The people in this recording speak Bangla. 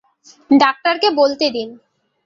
ডাক্তারকে বলতে দিন।